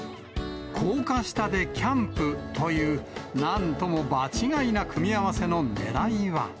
高架下でキャンプという、なんとも場違いな組み合わせのねらいは。